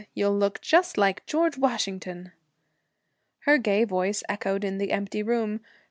You'll look just like George Washington!' Her gay voice echoed in the empty room.